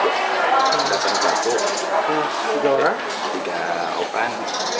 delapan kelaku tiga orang tiga opan